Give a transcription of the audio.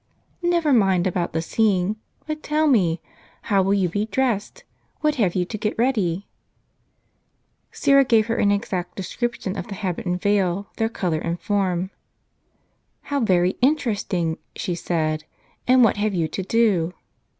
" Never mind about the seeing. But tell me, how wall you be dressed ? What have you to get ready ?" Syra gave her an exact description of the habit and veil, their color and form. " How very interesting !" she said. " And what have you to do?"